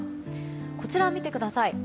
こちらを見てください。